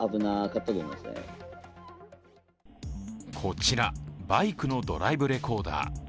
こちら、バイクのドライブレコーダー。